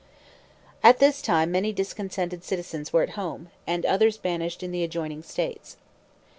At this time many discontented citizens were at home, and others banished in the adjoining states.